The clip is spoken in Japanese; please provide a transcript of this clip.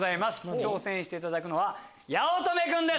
挑戦していただくのは八乙女君です